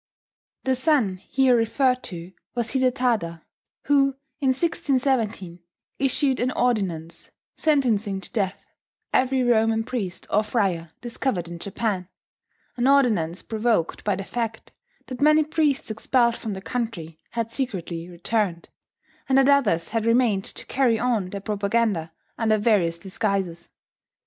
... The son here referred to was Hidetada, who, in 1617, issued an ordinance sentencing to death every Roman priest or friar discovered in Japan, an ordinance provoked by the fact that many priests expelled from the country had secretly returned, and that others had remained to carry on their propaganda under various disguises.